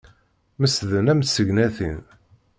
Mesden am tsegnatin.